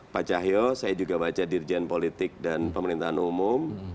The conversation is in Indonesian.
pak cahyo saya juga baca dirjen politik dan pemerintahan umum